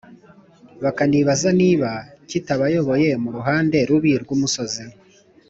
bakanibaza niba kitabayoboye mu ruhande rubi rw’umusozi,